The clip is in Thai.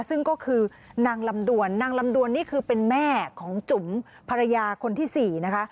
ซึ่งก็คือนางลำดวนนางลำดวนนี่คือเป็นแม่ของจุ๋มภรรยาคนที่๔นะคะ